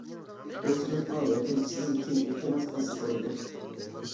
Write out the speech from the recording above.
بۇ سىنىپقا ۋەتەن ئىچىدىن كىم ئىلتىماس قىلسا بولىدۇ.